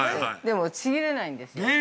でも、ちぎれないんですよ。